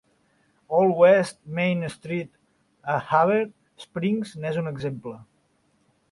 Old West Main Street a Heber Springs n'és un exemple.